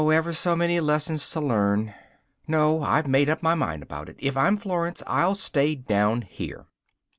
ever so many lessons to learn! No! I've made up my mind about it: if I'm Florence, I'll stay down here!